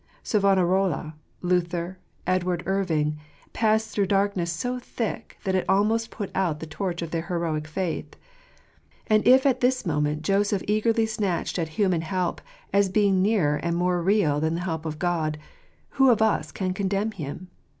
Savonarola, Luther, Edward Irving, passed through I darkness so thick that it almost put out the torch of their heroic faith ; and if at this moment Joseph eagerly snatched at human help, as being nearer and more real than the help of God, who of us can condemn him